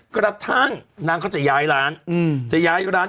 กระทั่งนางเขาจะย้ายร้าน